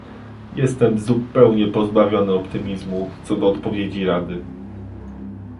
Jestem zupełnie pozbawiony optymizmu co do odpowiedzi Rady